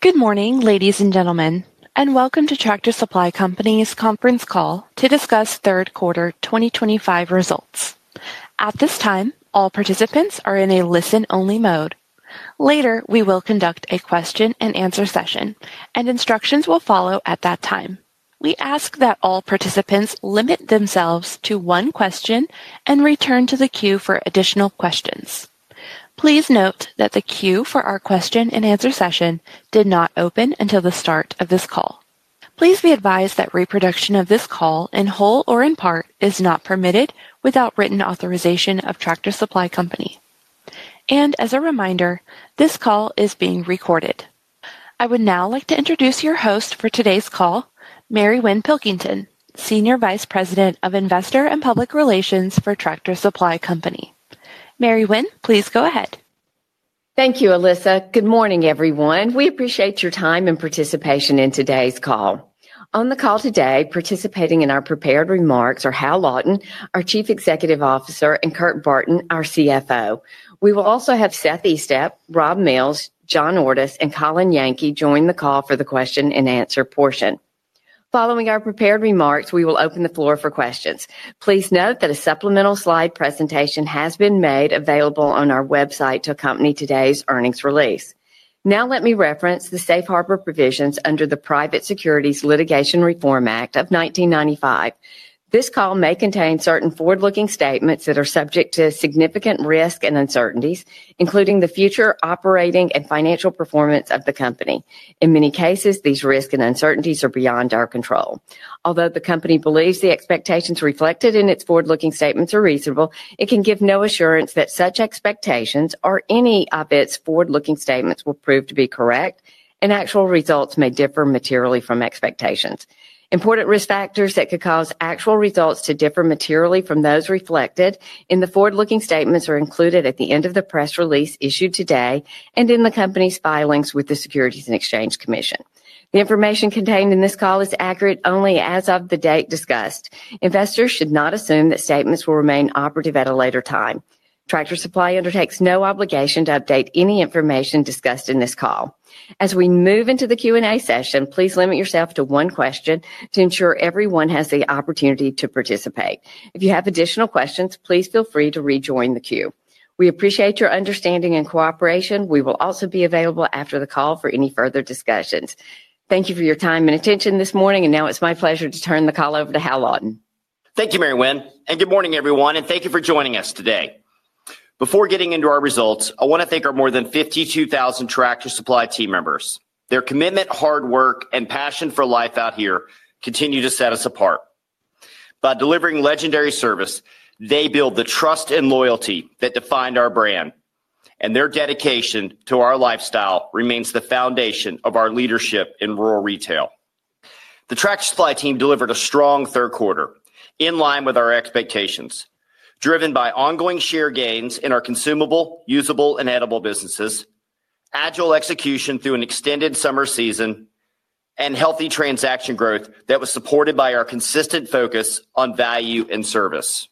Good morning, ladies and gentlemen, and welcome to Tractor Supply Company's conference call to discuss third quarter 2025 results. At this time, all participants are in a listen-only mode. Later, we will conduct a question and answer session, and instructions will follow at that time. We ask that all participants limit themselves to one question and return to the queue for additional questions. Please note that the queue for our question and answer session did not open until the start of this call. Please be advised that reproduction of this call in whole or in part is not permitted without written authorization of Tractor Supply Company. As a reminder, this call is being recorded. I would now like to introduce your host for today's call, Mary Winn Pilkington, Senior Vice President of Investor and Public Relations for Tractor Supply Company. Mary Winn, please go ahead. Thank you, Elisa. Good morning, everyone. We appreciate your time and participation in today's call. On the call today, participating in our prepared remarks are Hal Lawton, our Chief Executive Officer, and Kurt Barton, our CFO. We will also have Seth Estep, Rob Mills, John Ordus, and Colin Yankee join the call for the question and answer portion. Following our prepared remarks, we will open the floor for questions. Please note that a supplemental slide presentation has been made available on our website to accompany today's earnings release. Now, let me reference the safe harbor provisions under the Private Securities Litigation Reform Act of 1995. This call may contain certain forward-looking statements that are subject to significant risk and uncertainties, including the future operating and financial performance of the company. In many cases, these risks and uncertainties are beyond our control. Although the company believes the expectations reflected in its forward-looking statements are reasonable, it can give no assurance that such expectations or any of its forward-looking statements will prove to be correct, and actual results may differ materially from expectations. Important risk factors that could cause actual results to differ materially from those reflected in the forward-looking statements are included at the end of the press release issued today and in the company's filings with the Securities and Exchange Commission. The information contained in this call is accurate only as of the date discussed. Investors should not assume that statements will remain operative at a later time. Tractor Supply Company undertakes no obligation to update any information discussed in this call. As we move into the Q&A session, please limit yourself to one question to ensure everyone has the opportunity to participate. If you have additional questions, please feel free to rejoin the queue. We appreciate your understanding and cooperation. We will also be available after the call for any further discussions. Thank you for your time and attention this morning, and now it's my pleasure to turn the call over to Hal Lawton. Thank you, Mary Winn, and good morning, everyone, and thank you for joining us today. Before getting into our results, I want to thank our more than 52,000 Tractor Supply team members. Their commitment, hard work, and passion for Life Out Here continue to set us apart. By delivering legendary service, they build the trust and loyalty that define our brand, and their dedication to our lifestyle remains the foundation of our leadership in rural retail. The Tractor Supply team delivered a strong third quarter in line with our expectations, driven by ongoing share gains in our consumable, usable, and edible businesses, agile execution through an extended summer season, and healthy transaction growth that was supported by our consistent focus on value and service.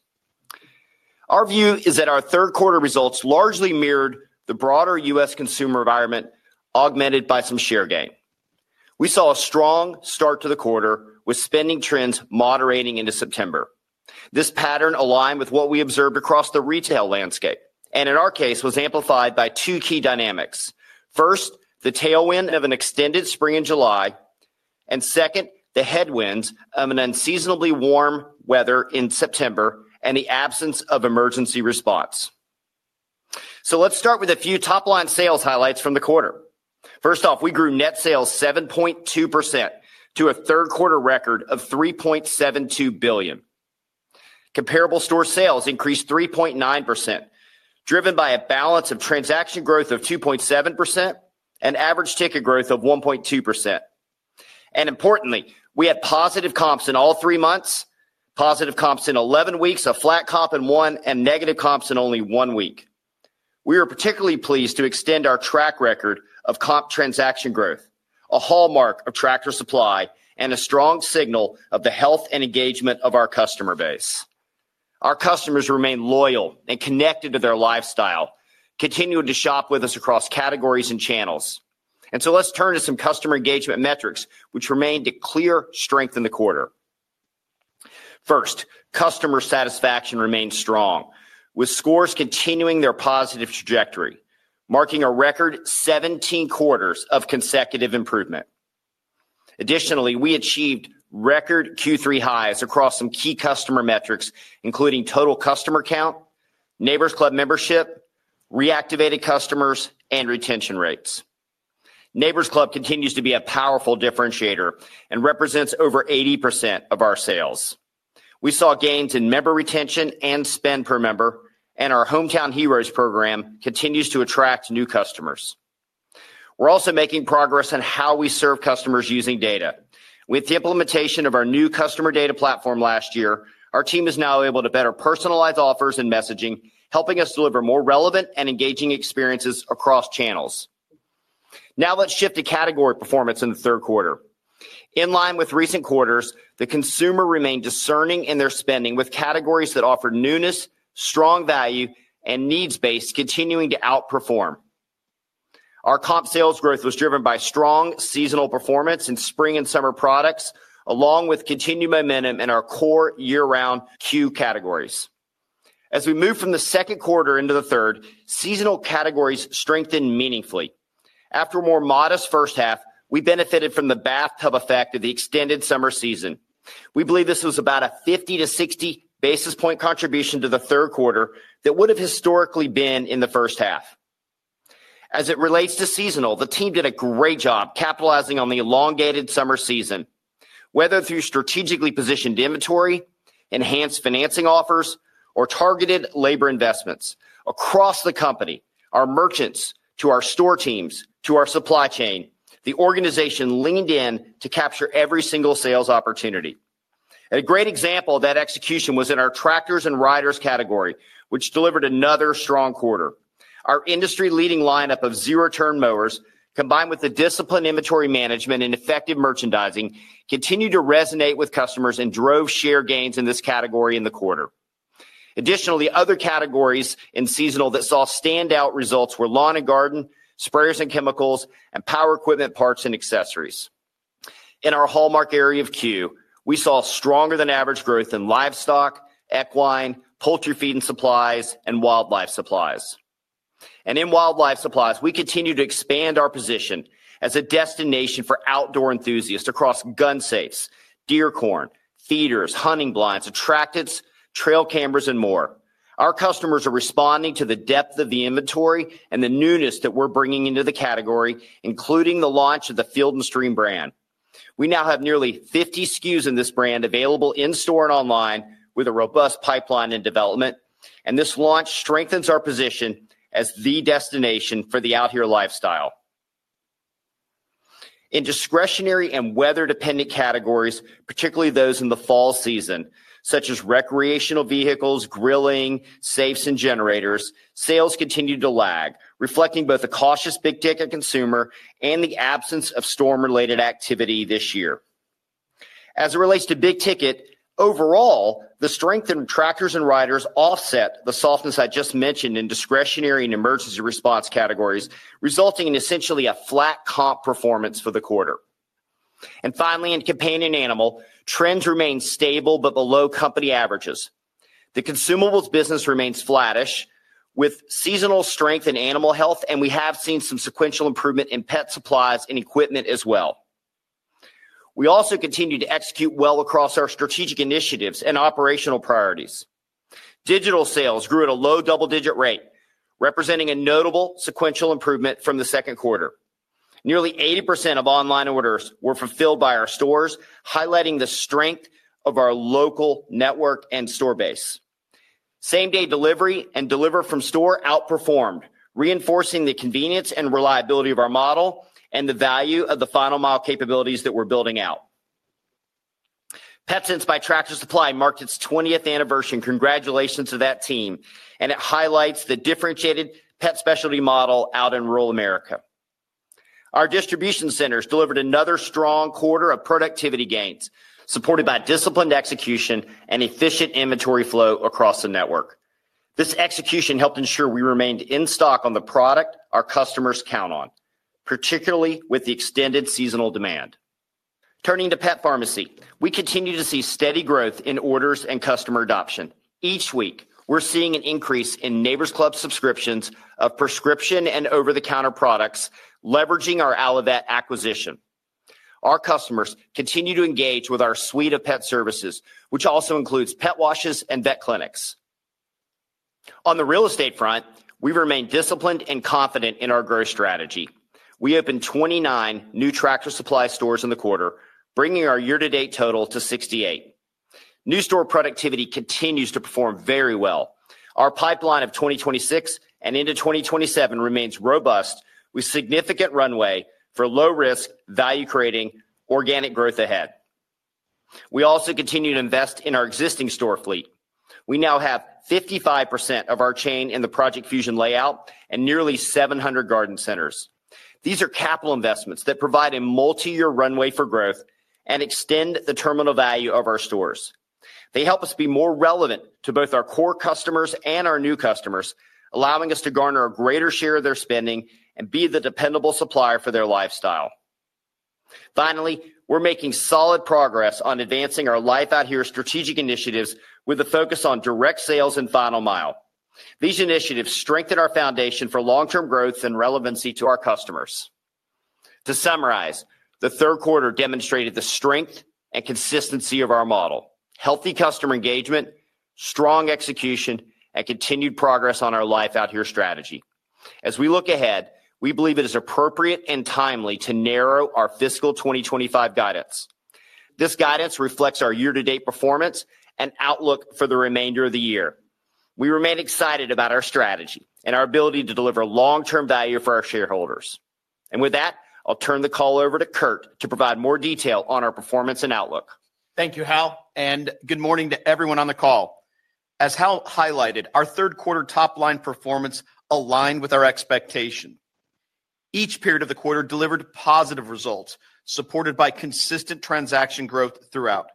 Our view is that our third quarter results largely mirrored the broader U.S. consumer environment, augmented by some share gain. We saw a strong start to the quarter, with spending trends moderating into September. This pattern aligned with what we observed across the retail landscape, and in our case, was amplified by two key dynamics. First, the tailwind of an extended spring and July, and second, the headwinds of unseasonably warm weather in September and the absence of emergency response. Let's start with a few top-line sales highlights from the quarter. First off, we grew net sales 7.2% to a third-quarter record of $3.72 billion. Comparable store sales increased 3.9%, driven by a balance of transaction growth of 2.7% and average ticket growth of 1.2%. Importantly, we had positive comps in all three months, positive comps in 11 weeks, a flat comp in one, and negative comps in only one week. We are particularly pleased to extend our track record of comp transaction growth, a hallmark of Tractor Supply and a strong signal of the health and engagement of our customer base. Our customers remain loyal and connected to their lifestyle, continuing to shop with us across categories and channels. Let's turn to some customer engagement metrics, which remained a clear strength in the quarter. Customer satisfaction remains strong, with scores continuing their positive trajectory, marking a record 17 quarters of consecutive improvement. Additionally, we achieved record Q3 highs across some key customer metrics, including total customer count, Neighbor's Club membership, reactivated customers, and retention rates. Neighbors Club continues to be a powerful differentiator and represents over 80% of our sales. We saw gains in member retention and spend per member, and our Hometown Heroes program continues to attract new customers. We're also making progress on how we serve customers using data. With the implementation of our new customer data platform last year, our team is now able to better personalize offers and messaging, helping us deliver more relevant and engaging experiences across channels. Now let's shift to category performance in the third quarter. In line with recent quarters, the consumer remained discerning in their spending with categories that offer newness, strong value, and needs-based continuing to outperform. our Comparable store sales growth was driven by strong seasonal performance in spring and summer products, along with continued momentum in our core year-round Queue categories. As we move from the second quarter into the third, seasonal categories strengthened meaningfully. After a more modest first half, we benefited from the bathtub effect of the extended summer season. We believe this was about a 50-60 basis point contribution to the third quarter that would have historically been in the first half. As it relates to seasonal, the team did a great job capitalizing on the elongated summer season, whether through strategically positioned inventory, enhanced financing offers, or targeted labor investments. Across the company, our merchants, to our store teams, to our supply chain, the organization leaned in to capture every single sales opportunity. A great example of that execution was in our tractors and riders category, which delivered another strong quarter. Our industry-leading lineup of zero-turn mowers, combined with the disciplined inventory management and effective merchandising, continued to resonate with customers and drove share gains in this category in the quarter. Additionally, other categories in seasonal that saw standout results were lawn and garden, sprayers and chemicals, and power equipment parts and accessories. In our hallmark area of queue, we saw stronger than average growth in livestock, equine, poultry feed and supplies, and wildlife supplies. In wildlife supplies, we continue to expand our position as a destination for outdoor enthusiasts across gun safes, deer corn, feeders, hunting blinds, attractors, trail cameras, and more. Our customers are responding to the depth of the inventory and the newness that we're bringing into the category, including the launch of the Field & Stream brand. We now have nearly 50 SKUs in this brand available in-store and online, with a robust pipeline in development, and this launch strengthens our position as the destination for the out here lifestyle. In discretionary and weather-dependent categories, particularly those in the fall season, such as recreational vehicles, grilling, safes, and generators, sales continue to lag, reflecting both a cautious big ticket consumer and the absence of storm-related activity this year. As it relates to big ticket, overall, the strength in tractors and riders offset the softness I just mentioned in discretionary and emergency response categories, resulting in essentially a flat comp performance for the quarter. Finally, in companion animal, trends remain stable but below company averages. The consumables business remains flattish, with seasonal strength in animal health, and we have seen some sequential improvement in pet supplies and equipment as well. We also continue to execute well across our strategic initiatives and operational priorities. Digital sales grew at a low double-digit rate, representing a notable sequential improvement from the second quarter. Nearly 80% of online orders were fulfilled by our stores, highlighting the strength of our local network and store base. Same-day delivery and deliver from store outperformed, reinforcing the convenience and reliability of our model and the value of the Final Mile capabilities that we're building out. Petsense by Tractor Supply marked its 20th anniversary. Congratulations to that team, and it highlights the differentiated pet specialty model out in rural America. Our distribution centers delivered another strong quarter of productivity gains, supported by disciplined execution and efficient inventory flow across the network. This execution helped ensure we remained in stock on the product our customers count on, particularly with the extended seasonal demand. Turning to pet pharmacy, we continue to see steady growth in orders and customer adoption. Each week, we're seeing an increase in Neighbor's Club subscriptions of prescription and over-the-counter products, leveraging our Allivet acquisition. Our customers continue to engage with our suite of pet services, which also includes pet washes and vet clinics. On the real estate front, we've remained disciplined and confident in our growth strategy. We opened 29 new Tractor Supply stores in the quarter, bringing our year-to-date total to 68. New store productivity continues to perform very well. Our pipeline of 2026 and into 2027 remains robust, with significant runway for low-risk value-creating organic growth ahead. We also continue to invest in our existing store fleet. We now have 55% of our chain in the Project Fusion layout and nearly 700 garden centers. These are capital investments that provide a multi-year runway for growth and extend the terminal value of our stores. They help us be more relevant to both our core customers and our new customers, allowing us to garner a greater share of their spending and be the dependable supplier for their lifestyle. Finally, we're making solid progress on advancing our Life Out Here strategic initiatives with a focus on Direct Sales and Final Mile. These initiatives strengthen our foundation for long-term growth and relevancy to our customers. To summarize, the third quarter demonstrated the strength and consistency of our model, healthy customer engagement, strong execution, and continued progress on our Life Out Here strategy. As we look ahead, we believe it is appropriate and timely to narrow our fiscal 2025 guidance. This guidance reflects our year-to-date performance and outlook for the remainder of the year. We remain excited about our strategy and our ability to deliver long-term value for our shareholders. With that, I'll turn the call over to Kurt to provide more detail on our performance and outlook. Thank you, Hal, and good morning to everyone on the call. As Hal highlighted, our third quarter top-line performance aligned with our expectation. Each period of the quarter delivered positive results, supported by consistent transaction growth throughout.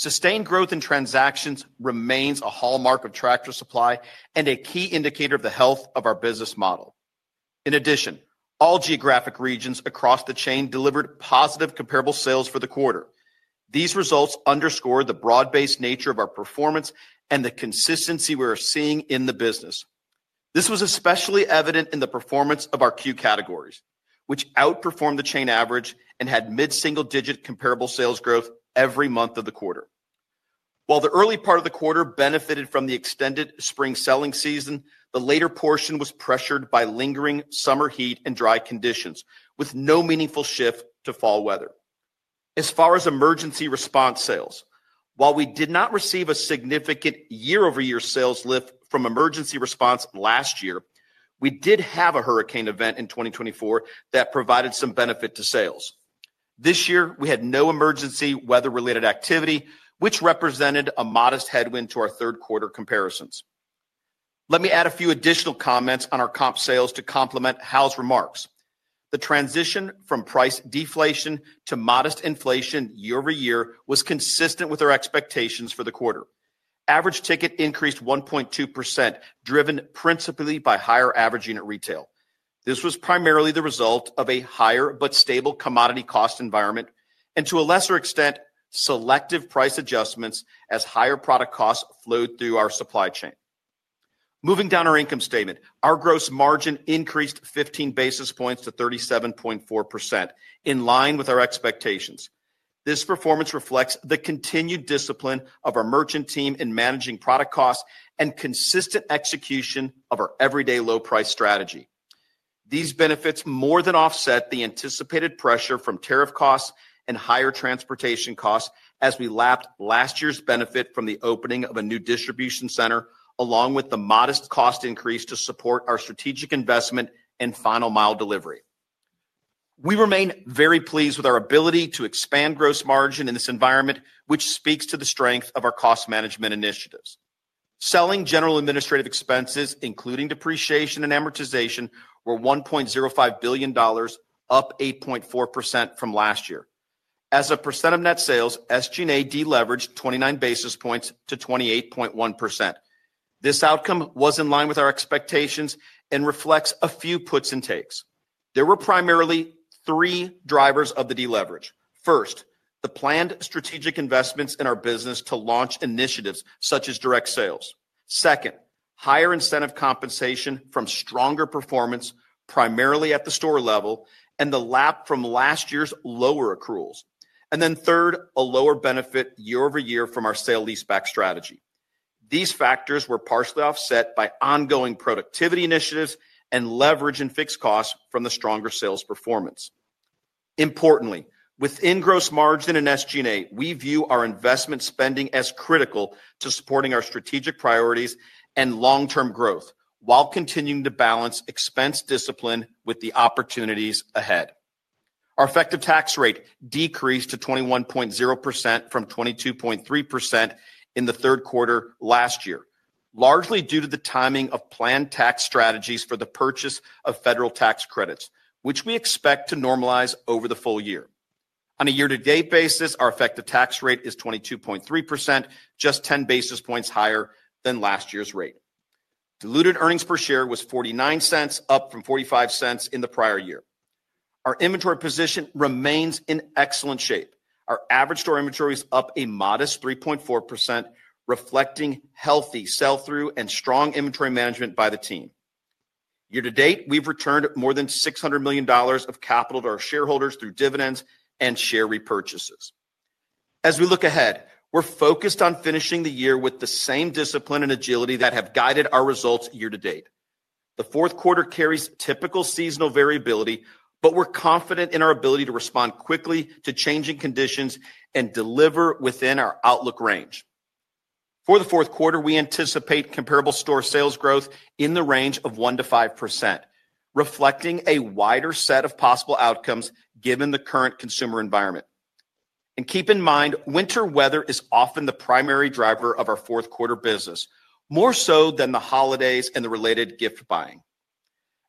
Sustained growth in transactions remains a hallmark of Tractor Supply Company and a key indicator of the health of our business model. In addition, all geographic regions across the chain delivered Comparable store sales for the quarter. These results underscore the broad-based nature of our performance and the consistency we are seeing in the business. This was especially evident in the performance of our Queue categories, which outperformed the chain average and had Comparable store sales growth every month of the quarter. While the early part of the quarter benefited from the extended spring selling season, the later portion was pressured by lingering summer heat and dry conditions, with no meaningful shift to fall weather. As far as emergency response sales, while we did not receive a significant year-over-year sales lift from emergency response last year, we did have a hurricane event in 2024 that provided some benefit to sales. This year, we had no emergency weather-related activity, which represented a modest headwind to our third quarter comparisons. Let me add a few additional comments on our Comparable store sales to complement Hal's remarks. The transition from price deflation to modest inflation year-over-year was consistent with our expectations for the quarter. Average ticket increased 1.2%, driven principally by higher average unit retail. This was primarily the result of a higher but stable commodity cost environment and, to a lesser extent, selective price adjustments as higher product costs flowed through our supply chain. Moving down our income statement, our gross margin increased 15 basis points to 37.4%, in line with our expectations. This performance reflects the continued discipline of our merchant team in managing product costs and consistent execution of our everyday low-price strategy. These benefits more than offset the anticipated pressure from tariff costs and higher transportation costs as we lapped last year's benefit from the opening of a new distribution center, along with the modest cost increase to support our strategic investment in Final Mile delivery. We remain very pleased with our ability to expand gross margin in this environment, which speaks to the strength of our cost management initiatives. Selling, general and administrative expenses, including depreciation and amortization, were $1.05 billion, up 8.4% from last year. As a percent of net sales, SG&A deleveraged 29 basis points to 28.1%. This outcome was in line with our expectations and reflects a few puts and takes. There were primarily three drivers of the deleverage. First, the planned strategic investments in our business to launch initiatives Direct Sales initiative. second, higher incentive compensation from stronger performance, primarily at the store level, and the lap from last year's lower accruals. Third, a lower benefit year-over-year from our sale leaseback strategy. These factors were partially offset by ongoing productivity initiatives and leveraging fixed costs from the stronger sales performance. Importantly, within gross margin and SG&A, we view our investment spending as critical to supporting our strategic priorities and long-term growth, while continuing to balance expense discipline with the opportunities ahead. Our effective tax rate decreased to 21.0% from 22.3% in the third quarter last year, largely due to the timing of planned tax strategies for the purchase of federal tax credits, which we expect to normalize over the full year. On a year-to-date basis, our effective tax rate is 22.3%, just 10 basis points higher than last year's rate. Diluted EPS was $0.49, up from $0.45 in the prior year. Our inventory position remains in excellent shape. Our average store inventory is up a modest 3.4%, reflecting healthy sell-through and strong inventory management by the team. Year to date, we've returned more than $600 million of capital to our shareholders through dividends and share repurchases. As we look ahead, we're focused on finishing the year with the same discipline and agility that have guided our results year to date. The fourth quarter carries typical seasonal variability, but we're confident in our ability to respond quickly to changing conditions and deliver within our outlook range. For the fourth quarter, we anticipate Comparable store sales growth in the range of 1%-5%, reflecting a wider set of possible outcomes given the current consumer environment. Keep in mind, winter weather is often the primary driver of our fourth quarter business, more so than the holidays and the related gift buying.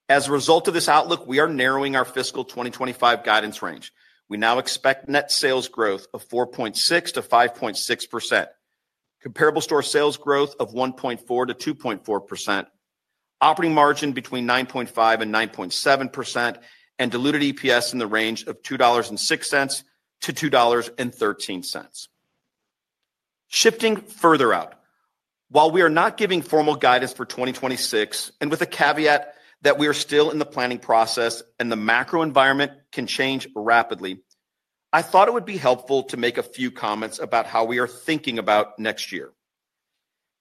As a result of this outlook, we are narrowing our fiscal 2025 guidance range. We now expect net sales growth of 4.6%-5.6%, Comparable store sales growth of 1.4%-2.4%, operating margin between 9.5% and 9.7%, and diluted EPS in the range of $2.06-$2.13. Shifting further out, while we are not giving formal guidance for 2026, and with a caveat that we are still in the planning process and the macro environment can change rapidly, I thought it would be helpful to make a few comments about how we are thinking about next year.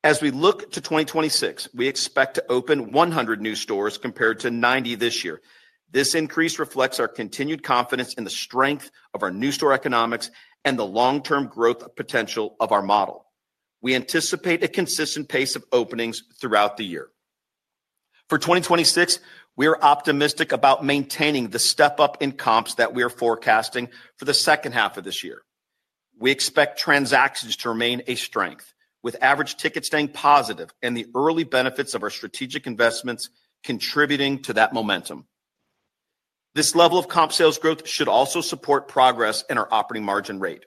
As we look to 2026, we expect to open 100 new stores compared to 90 this year. This increase reflects our continued confidence in the strength of our new store economics and the long-term growth potential of our model. We anticipate a consistent pace of openings throughout the year. For 2026, we are optimistic about maintaining the step-up in comps that we are forecasting for the second half of this year. We expect transactions to remain a strength, with average tickets staying positive and the early benefits of our strategic investments contributing to that momentum. This level of comp sales growth should also support progress in our operating margin rate.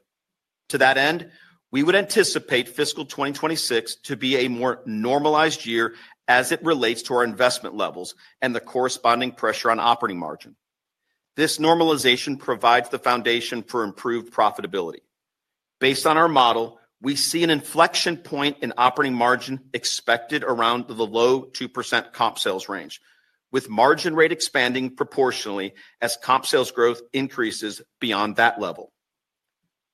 To that end, we would anticipate fiscal 2026 to be a more normalized year as it relates to our investment levels and the corresponding pressure on operating margin. This normalization provides the foundation for improved profitability. Based on our model, we see an inflection point in operating margin expected around the low 2% comp sales range, with margin rate expanding proportionally as comp sales growth increases beyond that level.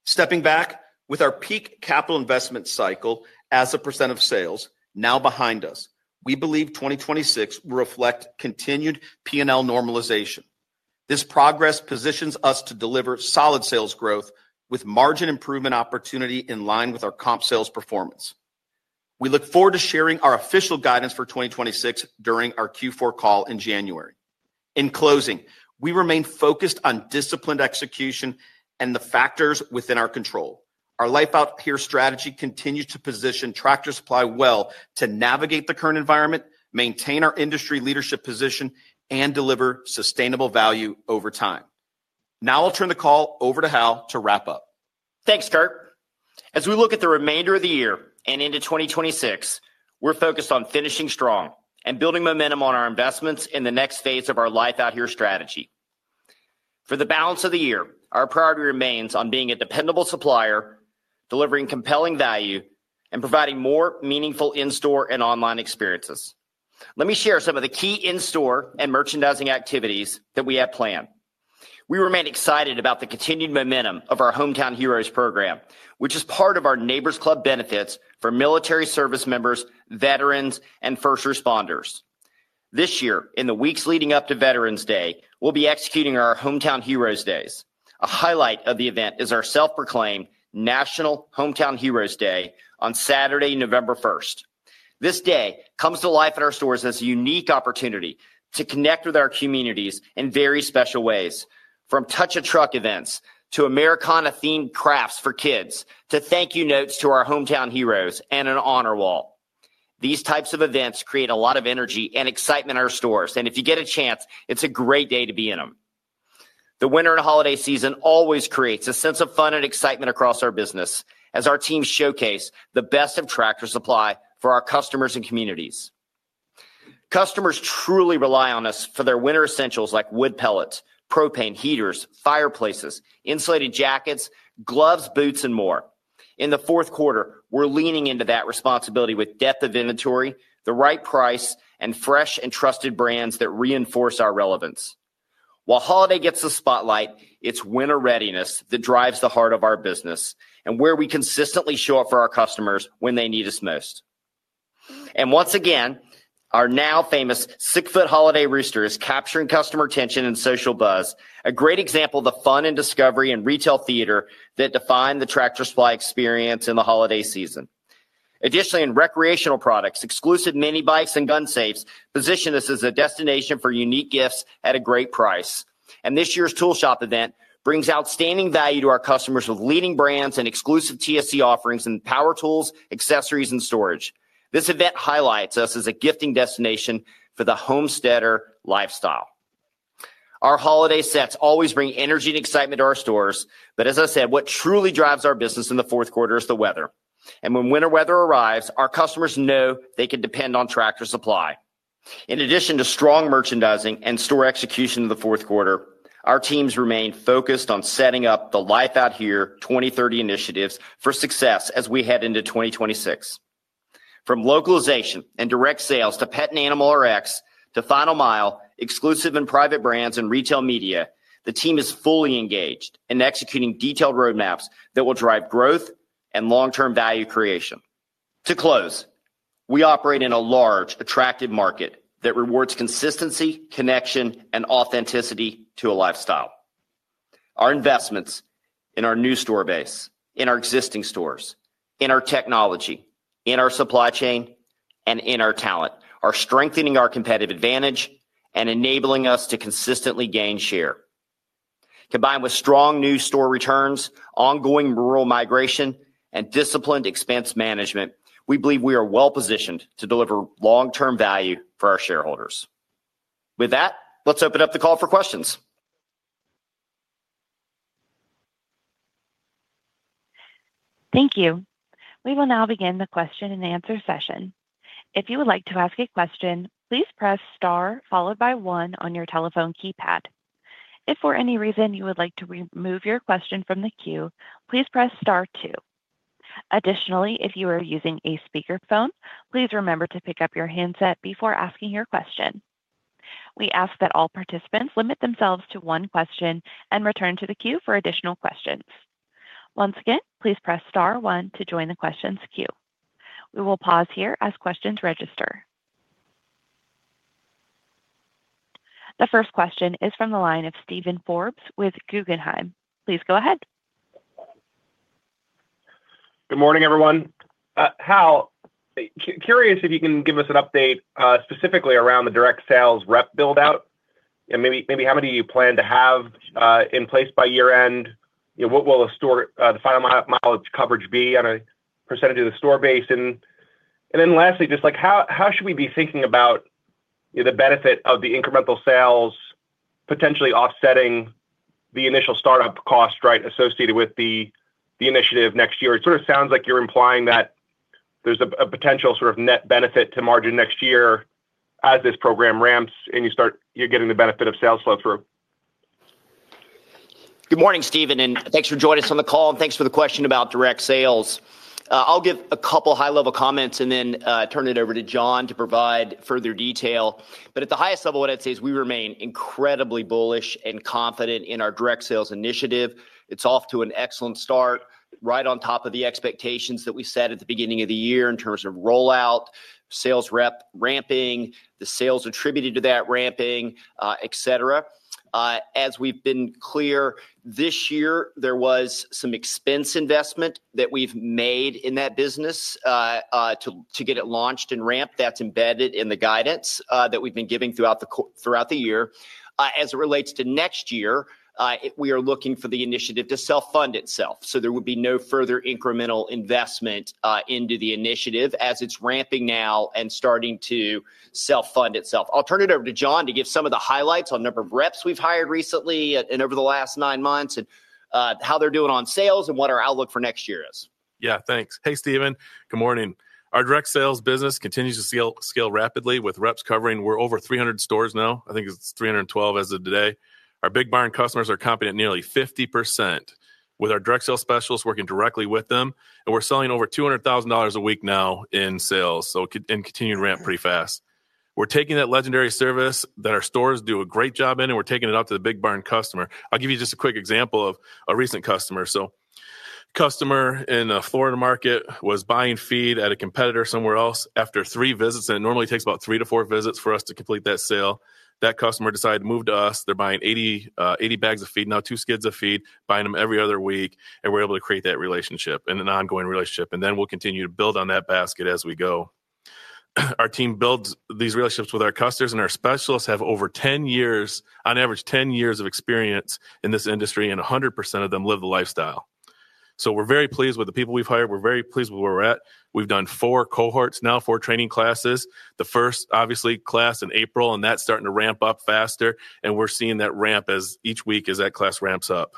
Stepping back, with our peak capital investment cycle as a percent of sales now behind us, we believe 2026 will reflect continued P&L normalization. This progress positions us to deliver solid sales growth with margin improvement opportunity in line with our comp sales performance. We look forward to sharing our official guidance for 2026 during our Q4 call in January. In closing, we remain focused on disciplined execution and the factors within our control. Our Life Out Here strategy continues to position Tractor Supply Company well to navigate the current environment, maintain our industry leadership position, and deliver sustainable value over time. I'll turn the call over to Hal to wrap up. Thanks, Kurt. As we look at the remainder of the year and into 2026, we're focused on finishing strong and building momentum on our investments in the next phase of our Life Out Here strategy. For the balance of the year, our priority remains on being a dependable supplier, delivering compelling value, and providing more meaningful in-store and online experiences. Let me share some of the key in-store and merchandising activities that we have planned. We remain excited about the continued momentum of our Hometown Heroes program, which is part of our Neighbor's Club benefits for military service members, veterans, and first responders. This year, in the weeks leading up to Veterans Day, we'll be executing our Hometown Heroes Days. A highlight of the event is our self-proclaimed National Hometown Heroes Day on Saturday, November 1. This day comes to life at our stores as a unique opportunity to connect with our communities in very special ways, from touch-and-truck events to Americana-themed crafts for kids, to thank you notes to our Hometown Heroes and an honor wall. These types of events create a lot of energy and excitement in our stores, and if you get a chance, it's a great day to be in them. The winter and holiday season always creates a sense of fun and excitement across our business as our teams showcase the best of Tractor Supply Company for our customers and communities. Customers truly rely on us for their winter essentials like wood pellets, propane heaters, fireplaces, insulated jackets, gloves, boots, and more. In the fourth quarter, we're leaning into that responsibility with depth of inventory, the right price, and fresh and trusted brands that reinforce our relevance. While holiday gets the spotlight, it's winter readiness that drives the heart of our business and where we consistently show up for our customers when they need us most. Once again, our now famous six-foot holiday rooster is capturing customer attention and social buzz, a great example of the fun and discovery in retail theater that define the Tractor Supply Company experience in the holiday season. Additionally, in recreational products, exclusive minibikes and gun safes position this as a destination for unique gifts at a great price. This year's tool shop event brings outstanding value to our customers with leading brands and exclusive TSC offerings in power tools, accessories, and storage. This event highlights us as a gifting destination for the homesteader lifestyle. Our holiday sets always bring energy and excitement to our stores, but as I said, what truly drives our business in the fourth quarter is the weather. When winter weather arrives, our customers know they can depend on Tractor Supply. In addition to strong merchandising and store execution in the fourth quarter, our teams remain focused on setting up the Life Out Here 2030 initiatives for success as we head into 2026. From localization and Direct Sales to pet and animal RX to Final Mile, exclusive and private brands, and retail media, the team is fully engaged in executing detailed roadmaps that will drive growth and long-term value creation. To close, we operate in a large, attractive market that rewards consistency, connection, and authenticity to a lifestyle. Our investments in our new store base, in our existing stores, in our technology, in our supply chain, and in our talent are strengthening our competitive advantage and enabling us to consistently gain share. Combined with strong new store returns, ongoing rural migration, and disciplined expense management, we believe we are well positioned to deliver long-term value for our shareholders. With that, let's open up the call for questions. Thank you. We will now begin the question and answer session. If you would like to ask a question, please press star followed by one on your telephone keypad. If for any reason you would like to remove your question from the queue, please press star two. Additionally, if you are using a speakerphone, please remember to pick up your handset before asking your question. We ask that all participants limit themselves to one question and return to the queue for additional questions. Once again, please press star one to join the questions queue. We will pause here as questions register. The first question is from the line of Steven Forbes with Guggenheim. Please go ahead. Good morning, everyone. Hal, curious if you can give us an update specifically around the Direct Sales rep build out. Maybe how many do you plan to have in place by year end? What will the Final Mile coverage be on a percentage of the store base? Lastly, just how should we be thinking about the benefit of the incremental sales potentially offsetting the initial startup cost associated with the initiative next year? It sort of sounds like you're implying that there's a potential sort of net benefit to margin next year as this program ramps and you start getting the benefit of sales flow through. Good morning, Steven, and thanks for joining us on the call and thanks for the question about Direct Sales. I'll give a couple of high-level comments and then turn it over to John to provide further detail. At the highest level, what I'd say is we remain incredibly bullish and confident in Direct Sales initiative. it's off to an excellent start, right on top of the expectations that we set at the beginning of the year in terms of rollout, sales rep ramping, the sales attributed to that ramping, et cetera. As we've been clear, this year there was some expense investment that we've made in that business to get it launched and ramped. That's embedded in the guidance that we've been giving throughout the year. As it relates to next year, we are looking for the initiative to self-fund itself, so there will be no further incremental investment into the initiative as it's ramping now and starting to self-fund itself. I'll turn it over to John to give some of the highlights on the number of reps we've hired recently and over the last nine months and how they're doing on sales and what our outlook for next year is. Yeah, thanks. Hey, Steven. Good morning. Our Direct Sales business continues to scale rapidly with reps covering over 300 stores now. I think it's 312 as of today. Our big barn customers are comping at nearly 50% with our Direct Sales specialists working directly with them, and we're selling over $200,000 a week now in sales, so it can continue to ramp pretty fast. We're taking that legendary service that our stores do a great job in, and we're taking it up to the big barn customer. I'll give you just a quick example of a recent customer. A customer in the Florida market was buying feed at a competitor somewhere else. After three visits, and it normally takes about three to four visits for us to complete that sale, that customer decided to move to us. They're buying 80 bags of feed now, two skids of feed, buying them every other week, and we're able to create that relationship and an ongoing relationship. We'll continue to build on that basket as we go. Our team builds these relationships with our customers, and our specialists have over 10 years, on average 10 years of experience in this industry, and 100% of them live the lifestyle. We're very pleased with the people we've hired. We're very pleased with where we're at. We've done four cohorts now, four training classes. The first class in April, and that's starting to ramp up faster, and we're seeing that ramp as each week as that class ramps up.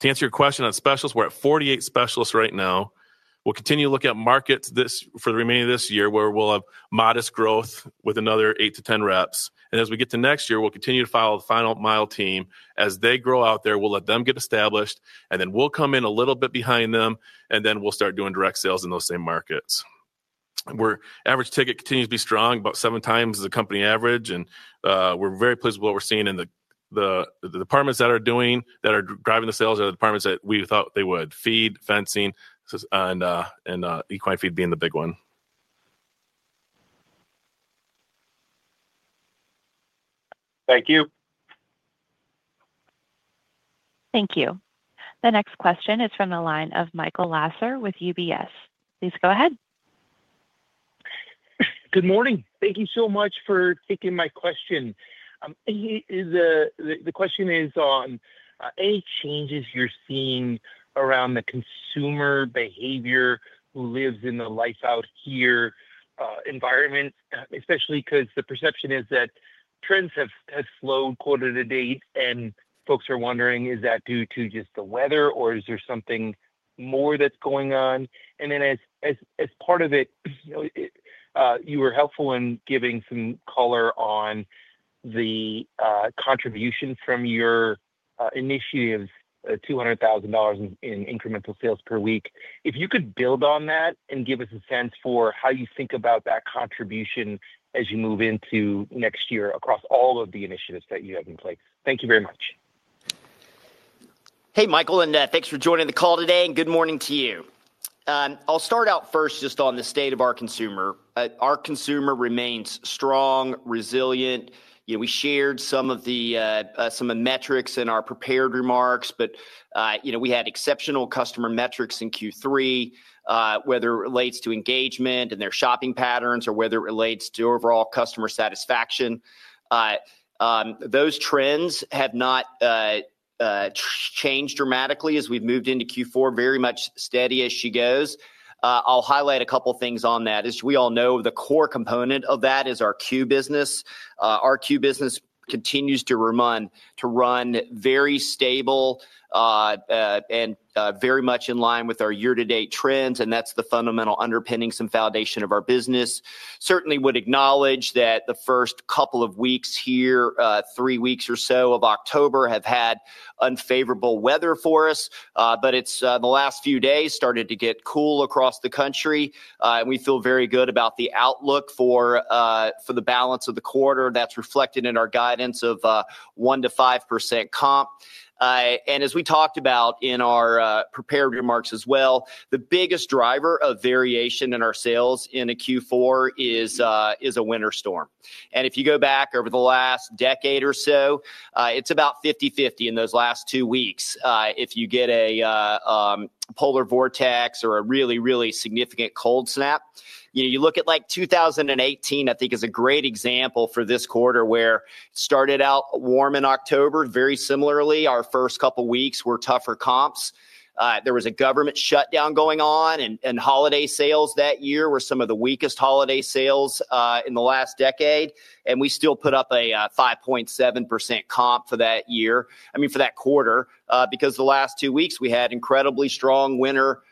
To answer your question on specialists, we're at 48 specialists right now. We'll continue to look at markets for the remaining of this year where we'll have modest growth with another eight to 10 reps. As we get to next year, we'll continue to follow the Final Mile team as they grow out there. We'll let them get established, and then we'll come in a little bit behind them, and then we'll start doing Direct Sales in those same markets. Our average ticket continues to be strong, about seven times the company average, and we're very pleased with what we're seeing in the departments that are driving the sales. The departments that we thought they would: feed, fencing, and equine feed being the big one. Thank you. Thank you. The next question is from the line of Michael Lasser with UBS. Please go ahead. Good morning. Thank you so much for taking my question. The question is on any changes you're seeing around the consumer behavior who lives in the Life Out Here environment, especially because the perception is that trends have slowed quarter to date, and folks are wondering, is that due to just the weather, or is there something more that's going on? As part of it, you were helpful in giving some color on the contribution from your initiatives, $200,000 in incremental sales per week. If you could build on that and give us a sense for how you think about that contribution as you move into next year across all of the initiatives that you have in place. Thank you very much. Hey, Michael, and thanks for joining the call today, and good morning to you. I'll start out first just on the state of our consumer. Our consumer remains strong, resilient. We shared some of the metrics in our prepared remarks, but we had exceptional customer metrics in Q3, whether it relates to engagement and their shopping patterns or whether it relates to overall customer satisfaction. Those trends have not changed dramatically as we've moved into Q4, very much steady as she goes. I'll highlight a couple of things on that. As we all know, the core component of that is our queue business. Our queue business continues to run very stable and very much in line with our year-to-date trends, and that's the fundamental underpinnings and foundation of our business. Certainly would acknowledge that the first couple of weeks here, three weeks or so of October, have had unfavorable weather for us, but it's in the last few days started to get cool across the country, and we feel very good about the outlook for the balance of the quarter that's reflected in our guidance of 1%-5% comp. As we talked about in our prepared remarks as well, the biggest driver of variation in our sales in a Q4 is a winter storm. If you go back over the last decade or so, it's about 50/50 in those last two weeks. If you get a polar vortex or a really, really significant cold snap, you look at like 2018, I think, as a great example for this quarter where it started out warm in October. Very similarly, our first couple of weeks were tougher comps. There was a government shutdown going on, and holiday sales that year were some of the weakest holiday sales in the last decade, and we still put up a 5.7% comp for that year, I mean for that quarter, because the last two weeks we had incredibly strong winter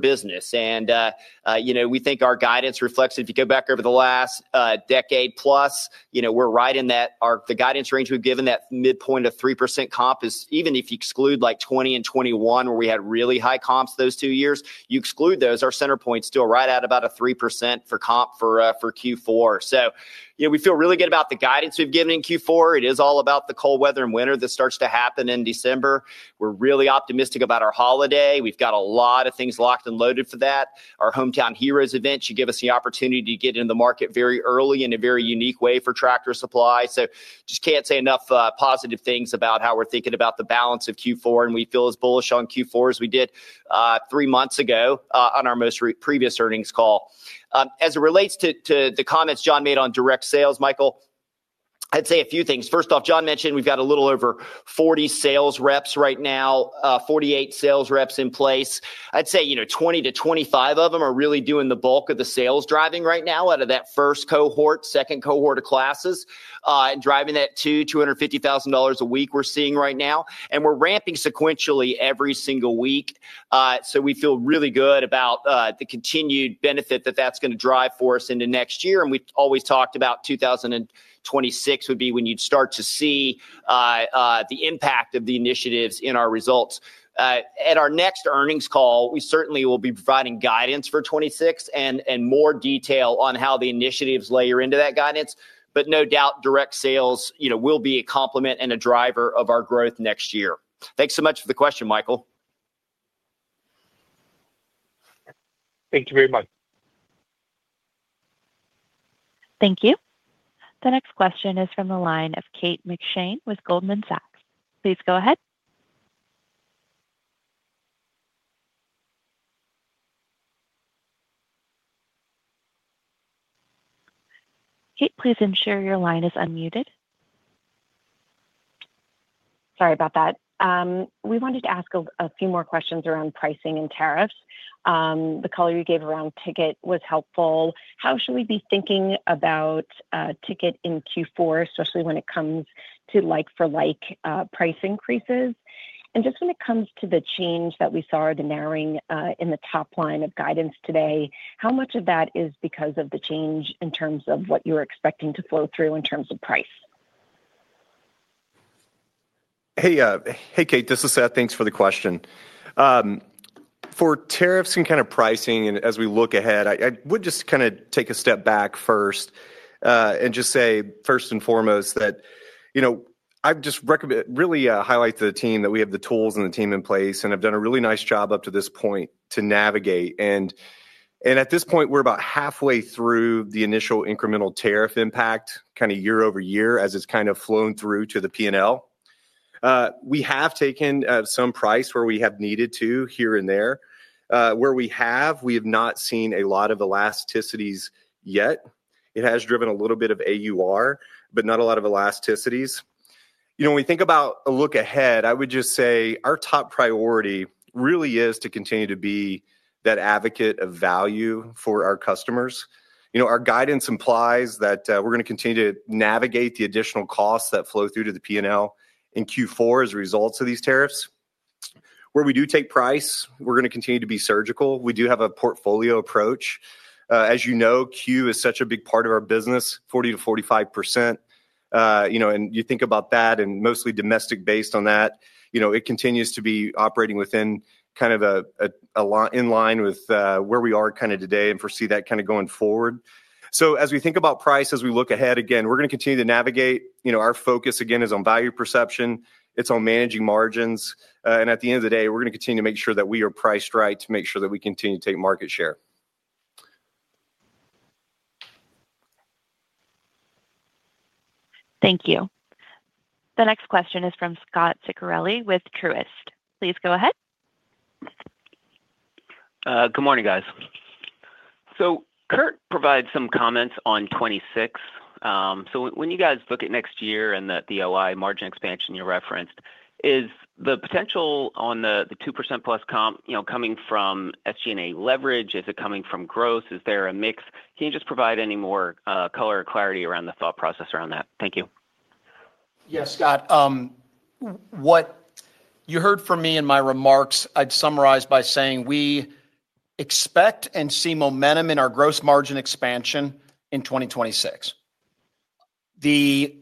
business. We think our guidance reflects if you go back over the last decade plus, we're right in that the guidance range we've given that midpoint of 3% comp is even if you exclude like 2020 and 2021 where we had really high comps those two years, you exclude those, our center point is still right at about a 3% for comp for Q4. We feel really good about the guidance we've given in Q4. It is all about the cold weather and winter that starts to happen in December. We're really optimistic about our holiday. We've got a lot of things locked and loaded for that. Our Hometown Heroes event should give us the opportunity to get into the market very early in a very unique way for Tractor Supply Company. I just can't say enough positive things about how we're thinking about the balance of Q4, and we feel as bullish on Q4 as we did three months ago on our most previous earnings call. As it relates to the comments John made on Direct Sales, Michael, I'd say a few things. First off, John mentioned we've got a little over 40 sales reps right now, 48 sales reps in place. I'd say 20-25 of them are really doing the bulk of the sales driving right now out of that first cohort, second cohort of classes, and driving that $250,000 a week we're seeing right now. We're ramping sequentially every single week. We feel really good about the continued benefit that that's going to drive for us into next year. We always talked about 2026 would be when you'd start to see the impact of the initiatives in our results. At our next earnings call, we certainly will be providing guidance for 2026 and more detail on how the initiatives layer into that guidance. No doubt Direct Sales will be a complement and a driver of our growth next year. Thanks so much for the question, Michael. Thank you very much. Thank you. The next question is from the line of Kate McShane with Goldman Sachs. Please go ahead. Kate, please ensure your line is unmuted. Sorry about that. We wanted to ask a few more questions around pricing and tariffs. The color you gave around ticket was helpful. How should we be thinking about ticket in Q4, especially when it comes to like-for-like price increases? When it comes to the change that we saw or the narrowing in the top line of guidance today, how much of that is because of the change in terms of what you were expecting to flow through in terms of price? Hey, Kate. This is Seth. Thanks for the question. For tariffs and kind of pricing, and as we look ahead, I would just kind of take a step back first and just say first and foremost that I just really highlight to the team that we have the tools and the team in place, and have done a really nice job up to this point to navigate. At this point, we're about halfway through the initial incremental tariff impact kind of year-over-year as it's kind of flown through to the P&L. We have taken some price where we have needed to here and there. Where we have, we have not seen a lot of elasticities yet. It has driven a little bit of AUR, but not a lot of elasticities. When we think about a look ahead, I would just say our top priority really is to continue to be that advocate of value for our customers. Our guidance implies that we're going to continue to navigate the additional costs that flow through to the P&L in Q4 as a result of these tariffs. Where we do take price, we're going to continue to be surgical. We do have a portfolio approach. As you know, Q is such a big part of our business, 40%-45%. You think about that and mostly domestic based on that, it continues to be operating within kind of in line with where we are kind of today and foresee that kind of going forward. As we think about price, as we look ahead, again, we're going to continue to navigate. Our focus again is on value perception. It's on managing margins. At the end of the day, we're going to continue to make sure that we are priced right to make sure that we continue to take market share. Thank you. The next question is from Scot Ciccarelli with Truist. Please go ahead. Good morning, guys. Kurt provides some comments on 2026. When you guys look at next year and the operating income margin expansion you referenced, is the potential on the 2%+ comp coming from SG&A leverage? Is it coming from gross? Is there a mix? Can you just provide any more color or clarity around the thought process around that? Thank you. Yes, Scot. What you heard from me in my remarks, I'd summarize by saying we expect and see momentum in our gross margin expansion in 2026. The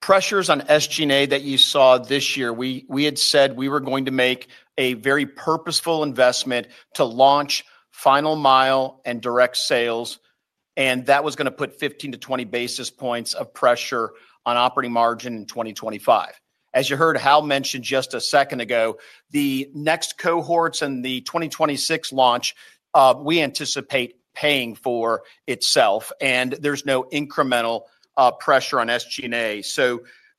pressures on SG&A that you saw this year, we had said we were going to make a very purposeful investment to launch Final Mile and Direct Sales, and that was going to put 15-20 basis points of pressure on operating margin in 2025. As you heard Hal mention just a second ago, the next cohorts and the 2026 launch, we anticipate paying for itself, and there's no incremental pressure on SG&A.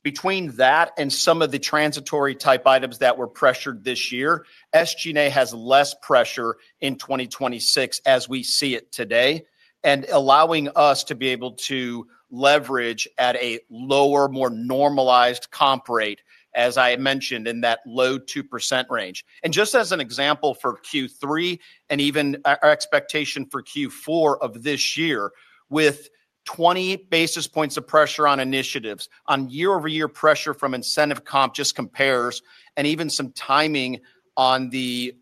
Between that and some of the transitory type items that were pressured this year, SG&A has less pressure in 2026 as we see it today, allowing us to be able to leverage at a lower, more normalized comp rate, as I mentioned, in that low 2% range. Just as an example for Q3 and even our expectation for Q4 of this year, with 20 basis points of pressure on initiatives, on year-over-year pressure from incentive comp, just compares, and even some timing on the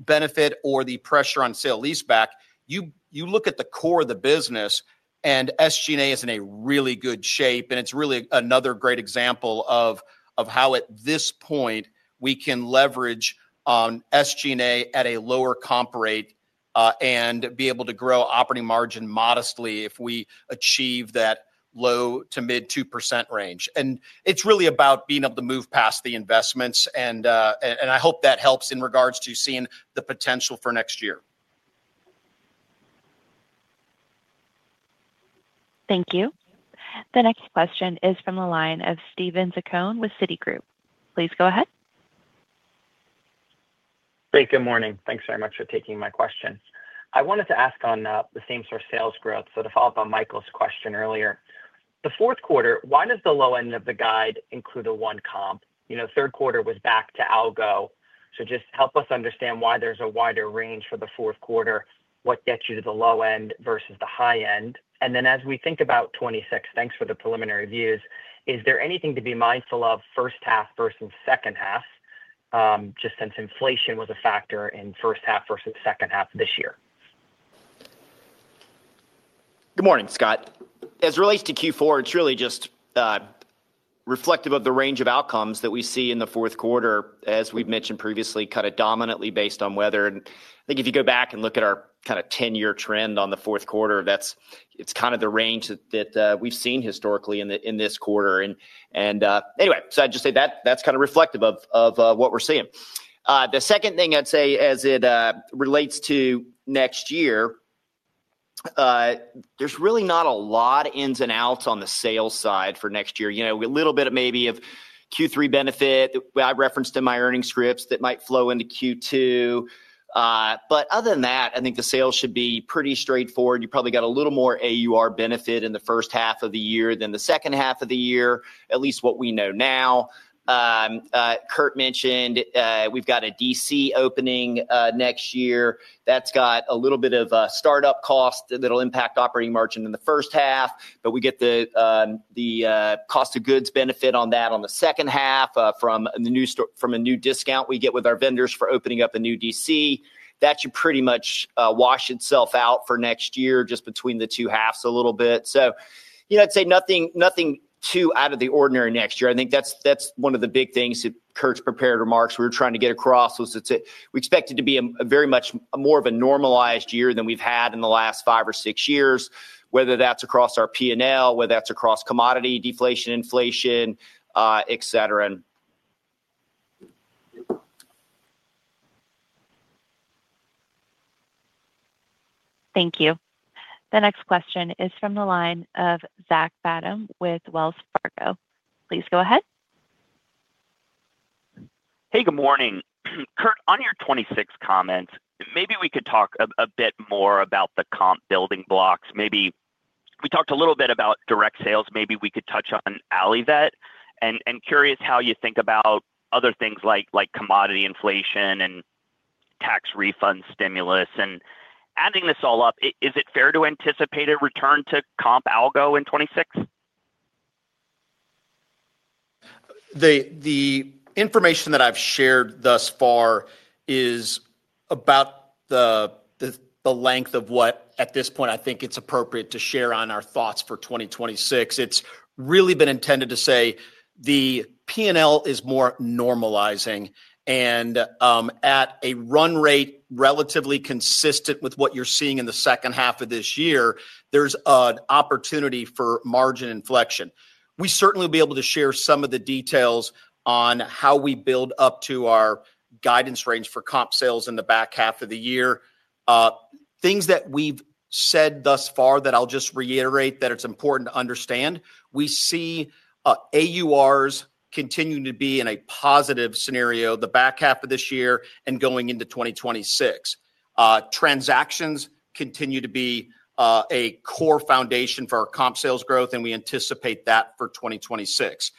benefit or the pressure on sale leaseback, you look at the core of the business, and SG&A is in a really good shape. It's really another great example of how at this point we can leverage on SG&A at a lower comp rate and be able to grow operating margin modestly if we achieve that low to mid 2% range. It's really about being able to move past the investments, and I hope that helps in regards to seeing the potential for next year. Thank you. The next question is from the line of Steven Zaccone with Citigroup. Please go ahead. Great. Good morning. Thanks very much for taking my question. I wanted to ask on the same store sales growth. To follow up on Michael's question earlier, the fourth quarter, why does the low end of the guide include a 1% comp? Third quarter was back to algo. Just help us understand why there's a wider range for the fourth quarter, what gets you to the low end versus the high end. As we think about 2026, thanks for the preliminary views, is there anything to be mindful of first half versus second half, just since inflation was a factor in first half versus second half this year? Good morning, Scot. As it relates to Q4, it's really just reflective of the range of outcomes that we see in the fourth quarter. As we've mentioned previously, kind of dominantly based on weather. If you go back and look at our kind of 10-year trend on the fourth quarter, that's kind of the range that we've seen historically in this quarter. I'd just say that's kind of reflective of what we're seeing. The second thing I'd say as it relates to next year, there's really not a lot of ins and outs on the sales side for next year. A little bit of maybe of Q3 benefit that I referenced in my earnings scripts that might flow into Q2. Other than that, I think the sales should be pretty straightforward. You probably got a little more AUR benefit in the first half of the year than the second half of the year, at least what we know now. Kurt mentioned we've got a DC opening next year. That's got a little bit of a startup cost that'll impact operating margin in the first half. We get the cost of goods benefit on that on the second half from a new discount we get with our vendors for opening up a new DC. That should pretty much wash itself out for next year just between the two halves a little bit. I'd say nothing too out of the ordinary next year. I think that's one of the big things that Kurt's prepared remarks we were trying to get across was that we expect it to be very much more of a normalized year than we've had in the last five or six years, whether that's across our P&L, whether that's across commodity, deflation, inflation, et cetera. Thank you. The next question is from the line of Zach Fadem with Wells Fargo. Please go ahead. Hey, good morning. Kurt, on your 2026 comments, maybe we could talk a bit more about the comp building blocks. Maybe we talked a little bit about Direct Sales. Maybe we could touch on Allivet and curious how you think about other things like commodity inflation and tax refund stimulus. Adding this all up, is it fair to anticipate a return to comp algo in 2026? The information that I've shared thus far is about the length of what at this point I think it's appropriate to share on our thoughts for 2026. It's really been intended to say the P&L is more normalizing, and at a run rate relatively consistent with what you're seeing in the second half of this year, there's an opportunity for margin inflection. We certainly will be able to share some of the details on how we build up to our guidance range for comp sales in the back half of the year. Things that we've said thus far that I'll just reiterate that it's important to understand. We see AURs continuing to be in a positive scenario the back half of this year and going into 2026. Transactions continue to be a core foundation for our comp sales growth, and we anticipate that for 2026.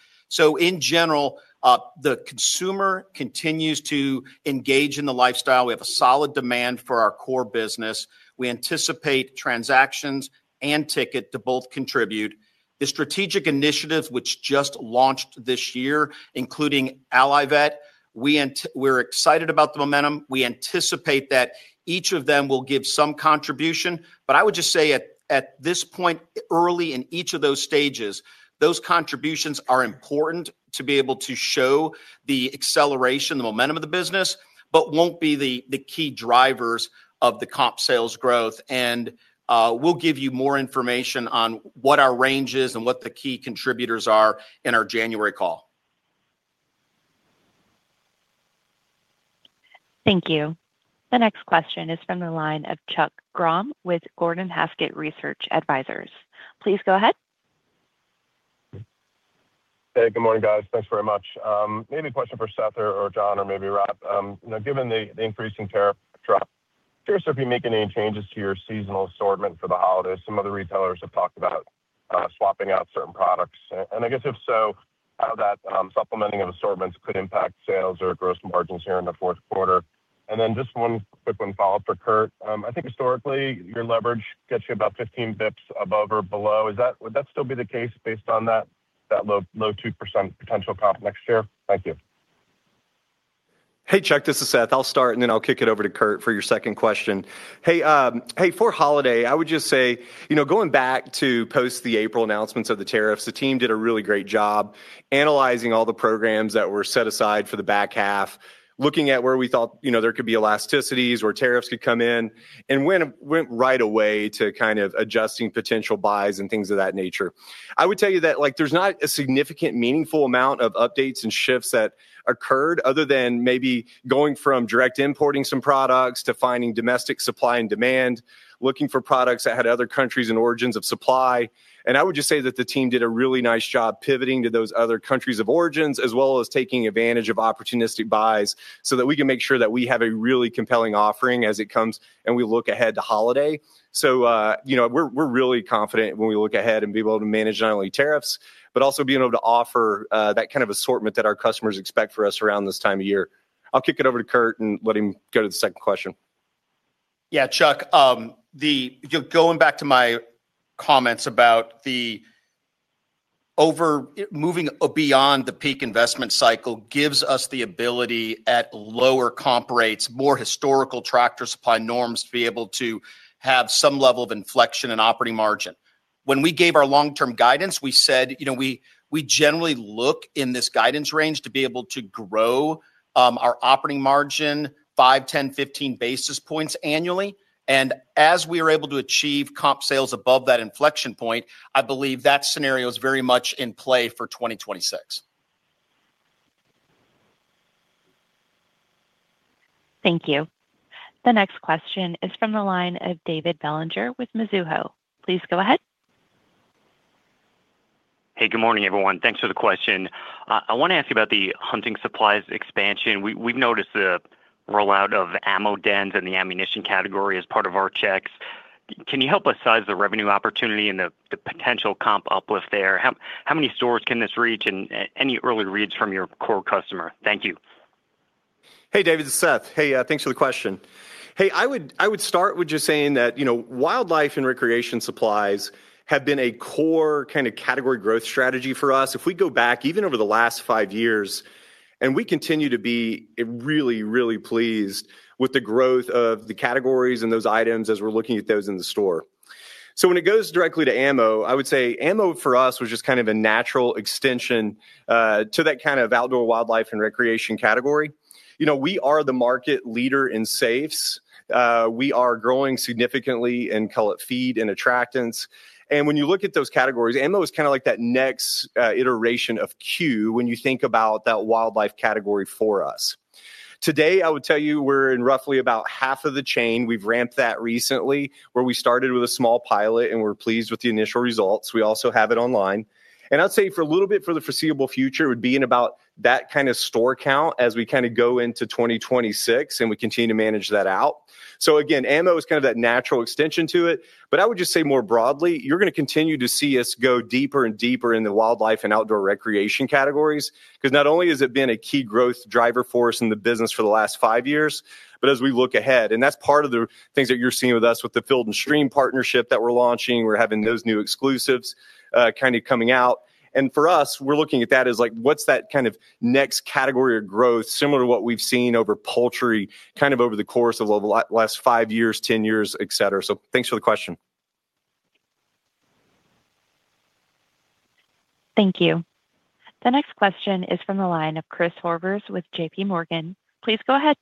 In general, the consumer continues to engage in the lifestyle. We have a solid demand for our core business. We anticipate transactions and ticket to both contribute. The strategic initiatives which just launched this year, including Allivet, we're excited about the momentum. We anticipate that each of them will give some contribution. At this point, early in each of those stages, those contributions are important to be able to show the acceleration, the momentum of the business, but won't be the key drivers of the comp sales growth. We'll give you more information on what our range is and what the key contributors are in our January call. Thank you. The next question is from the line of Chuck Grom with Gordon Haskett Research Advisors. Please go ahead. Hey, good morning, guys. Thanks very much. Maybe a question for Seth or John or maybe Rob. Given the increasing tariff drop, curious if you're making any changes to your seasonal assortment for the holidays. Some other retailers have talked about swapping out certain products. If so, how that supplementing of assortments could impact sales or gross margins here in the fourth quarter. Just one quick follow-up for Kurt. I think historically your leverage gets you about 15 bps above or below. Would that still be the case based on that low 2% potential comp next year? Thank you. Hey, Chuck. This is Seth. I'll start and then I'll kick it over to Kurt for your second question. For holiday, I would just say going back to post the April announcements of the tariffs, the team did a really great job analyzing all the programs that were set aside for the back half, looking at where we thought there could be elasticities or tariffs could come in and went right away to kind of adjusting potential buys and things of that nature. I would tell you that there's not a significant meaningful amount of updates and shifts that occurred other than maybe going from direct importing some products to finding domestic supply and demand, looking for products that had other countries and origins of supply. I would just say that the team did a really nice job pivoting to those other countries of origins as well as taking advantage of opportunistic buys so that we can make sure that we have a really compelling offering as it comes and we look ahead to holiday. We're really confident when we look ahead and be able to manage not only tariffs, but also being able to offer that kind of assortment that our customers expect for us around this time of year. I'll kick it over to Kurt and let him go to the second question. Yeah. Going back to my comments about moving beyond the peak investment cycle gives us the ability at lower comp rates, more historical Tractor Supply norms to be able to have some level of inflection in operating margin. When we gave our long-term guidance, we said we generally look in this guidance range to be able to grow our operating margin 5, 10, 15 basis points annually. As we are able to achieve comp sales above that inflection point, I believe that scenario is very much in play for 2026. Thank you. The next question is from the line of David Bellinger with Mizuho. Please go ahead. Hey, good morning, everyone. Thanks for the question. I want to ask you about the hunting supplies expansion. We've noticed the rollout of Ammo dens and the ammunition category as part of our checks. Can you help us size the revenue opportunity and the potential comp uplift there? How many stores can this reach, and any early reads from your core customer? Thank you. Hey, David. This is Seth. Hey, thanks for the question. I would start with just saying that wildlife and recreation supplies have been a core kind of category growth strategy for us. If we go back even over the last five years, we continue to be really, really pleased with the growth of the categories and those items as we're looking at those in the store. When it goes directly to ammo, I would say ammo for us was just kind of a natural extension to that kind of outdoor wildlife and recreation category. We are the market leader in safes. We are growing significantly in, call it, feed and attractants. When you look at those categories, ammo is kind of like that next iteration of queue when you think about that wildlife category for us. Today, I would tell you we're in roughly about half of the chain. We've ramped that recently where we started with a small pilot and we're pleased with the initial results. We also have it online. I'd say for a little bit for the foreseeable future, it would be in about that kind of store count as we kind of go into 2026 and we continue to manage that out. Again, ammo is kind of that natural extension to it. I would just say more broadly, you're going to continue to see us go deeper and deeper into wildlife and outdoor recreation categories because not only has it been a key growth driver for us in the business for the last five years, as we look ahead, that's part of the things that you're seeing with us with the Field & Stream partnership that we're launching, we're having those new exclusives kind of coming out. For us, we're looking at that as like what's that kind of next category of growth similar to what we've seen over poultry kind of over the course of the last five years, 10 years, etc. Thanks for the question. Thank you. The next question is from the line of Chris Horvers with JPMorgan. Please go ahead.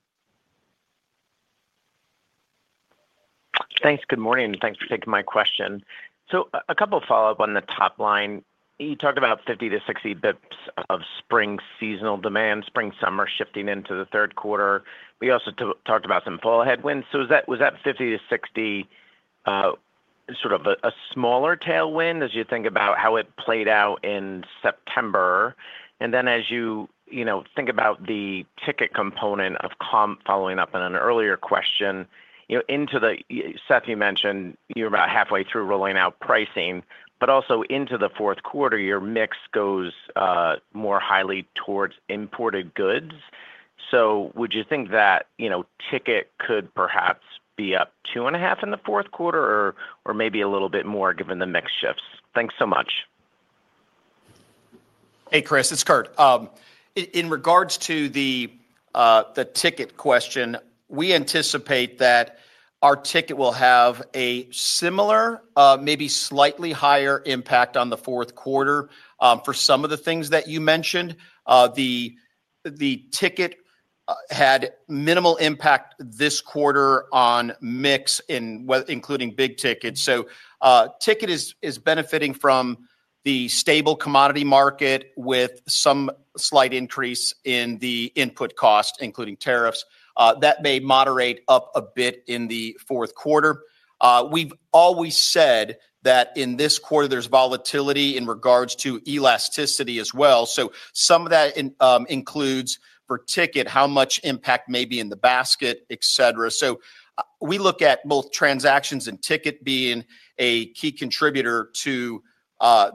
Thanks. Good morning. Thanks for taking my question. A couple of follow-up on the top line. You talked about 50-60 basis points of spring seasonal demand, spring summer shifting into the third quarter. You also talked about some fall headwinds. Was that 50 to 60 sort of a smaller tailwind as you think about how it played out in September? As you think about the ticket component of comp following up on an earlier question, into the Seth, you mentioned you're about halfway through rolling out pricing, but also into the fourth quarter, your mix goes more highly towards imported goods. Would you think that ticket could perhaps be up 2.5% in the fourth quarter or maybe a little bit more given the mix shifts? Thanks so much. Hey, Chris. It's Kurt. In regards to the ticket question, we anticipate that our ticket will have a similar, maybe slightly higher impact on the fourth quarter for some of the things that you mentioned. The ticket had minimal impact this quarter on mix, including big tickets. Ticket is benefiting from the stable commodity market with some slight increase in the input cost, including tariffs. That may moderate up a bit in the fourth quarter. We've always said that in this quarter there's volatility in regards to elasticity as well. Some of that includes for ticket how much impact may be in the basket, et cetera. We look at both transactions and ticket being a key contributor to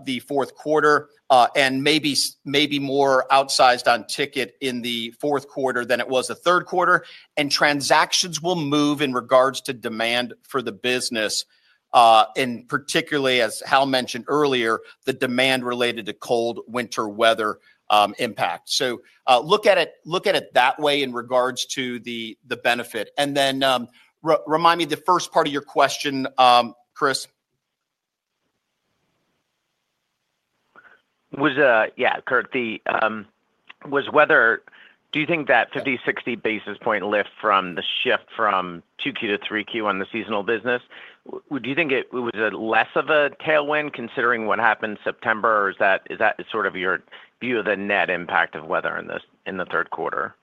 the fourth quarter and maybe more outsized on ticket in the fourth quarter than it was the third quarter. Transactions will move in regards to demand for the business, and particularly, as Hal mentioned earlier, the demand related to cold winter weather impact. Look at it that way in regards to the benefit. Remind me the first part of your question, Chris. Yeah, Kurt. Was weather, do you think that 50-60 basis point lift from the shift from 2Q to 3Q on the seasonal business, do you think it was less of a tailwind considering what happened in September, or is that sort of your view of the net impact of weather in the third quarter?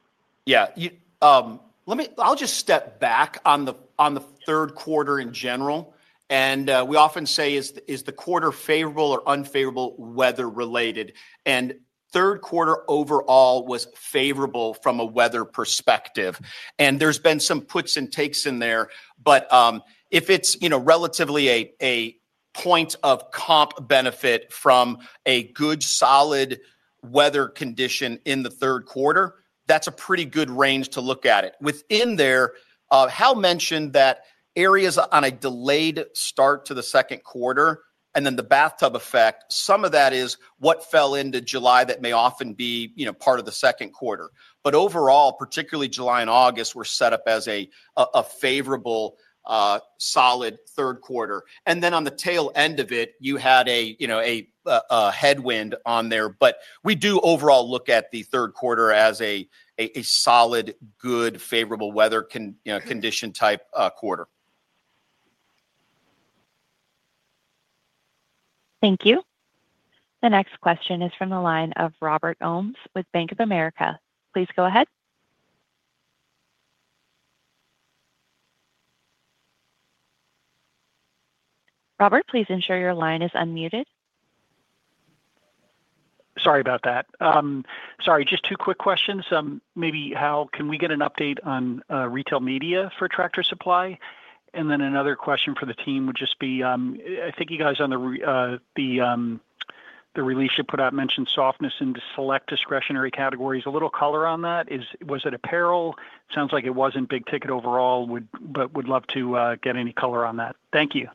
I'll just step back on the third quarter in general. We often say, is the quarter favorable or unfavorable weather related? Third quarter overall was favorable from a weather perspective. There's been some puts and takes in there. If it's relatively a point of comp benefit from a good solid weather condition in the third quarter, that's a pretty good range to look at it. Within there, Hal mentioned that areas on a delayed start to the second quarter and then the bathtub effect, some of that is what fell into July that may often be part of the second quarter. Overall, particularly July and August were set up as a favorable solid third quarter. On the tail end of it, you had a headwind on there. We do overall look at the third quarter as a solid, good, favorable weather condition type quarter. Thank you. The next question is from the line of Robert Ohmes with Bank of America. Please go ahead. Robert, please ensure your line is unmuted. Sorry about that. Sorry, just two quick questions. Maybe how can we get an update on retail media for Tractor Supply Company? Then another question for the team would just be, I think you guys on the release you put out mentioned softness in select discretionary categories. A little color on that. Was it apparel? Sounds like it wasn't big ticket overall, but would love to get any color on that. Thank you.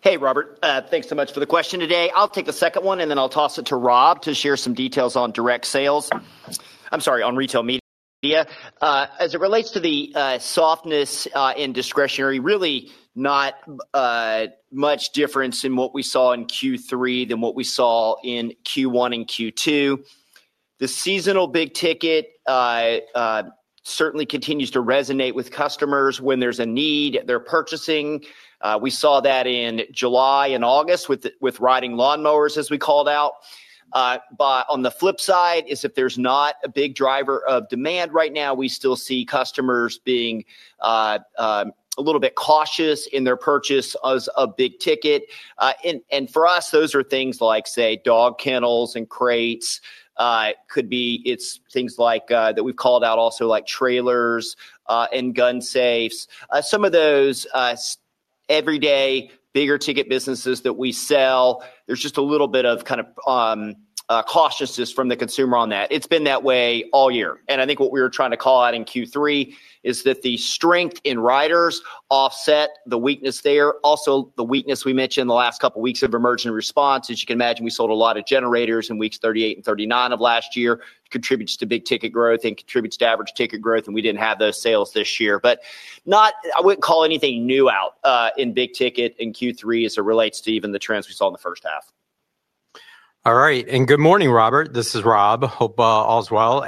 Hey, Robert. Thanks so much for the question today. I'll take the second one, then I'll toss it to Rob to share some details on Direct Sales. I'm sorry, on retail media. As it relates to the softness in discretionary, really not much difference in what we saw in Q3 than what we saw in Q1 and Q2. The seasonal big ticket certainly continues to resonate with customers when there's a need. They're purchasing. We saw that in July and August with riding lawn mowers, as we called out. On the flip side, if there's not a big driver of demand right now, we still see customers being a little bit cautious in their purchase of big ticket. For us, those are things like, say, dog kennels and crates. It could be things like that we've called out also, like trailers and gun safes. Some of those everyday bigger ticket businesses that we sell, there's just a little bit of kind of cautiousness from the consumer on that. It's been that way all year. I think what we were trying to call out in Q3 is that the strength in riders offset the weakness there. Also, the weakness we mentioned in the last couple of weeks of emergent response, as you can imagine, we sold a lot of generators in weeks 38 and 39 of last year. It contributes to big ticket growth and contributes to average ticket growth, and we didn't have those sales this year. I wouldn't call anything new out in big ticket in Q3 as it relates to even the trends we saw in the first half. All right. Good morning, Robert. This is Rob. Hope all's well.